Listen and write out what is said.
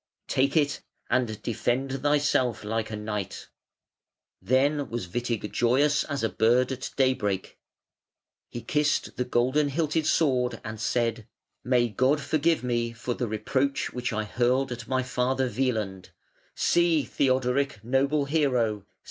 Take it and defend thyself like a knight". Then was Witig joyous as a bird at daybreak. He kissed the golden hilted sword and said: "May God forgive me for the reproach which I hurled at my father, Wieland. See! Theodoric, noble hero!